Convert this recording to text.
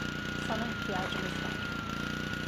Sana ihtiyacımız var.